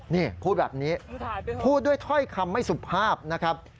นี่พูดแบบนี้พูดด้วยถ้อยคำไม่สุภาพนะครับ